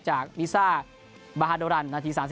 จากวิซ่าบาฮาโดรันที่๓๑